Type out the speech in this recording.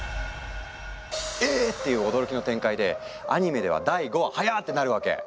「え！」っていう驚きの展開でアニメでは第５話早ってなるわけ。